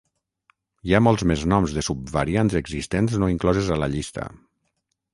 Hi ha molts més noms de subvariants existents no incloses a la llista.